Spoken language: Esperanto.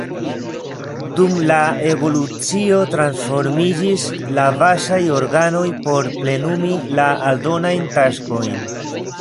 Dum la evolucio transformiĝis la bazaj organoj por plenumi la aldonajn taskojn.